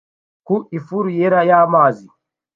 ku ifuro yera y'amazi